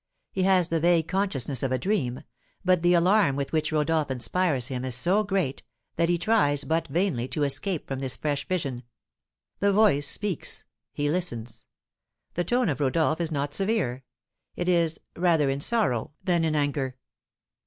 He has the vague consciousness of a dream; but the alarm with which Rodolph inspires him is so great that he tries, but vainly, to escape from this fresh vision. The voice speaks he listens. The tone of Rodolph is not severe; it is "rather in sorrow than in anger."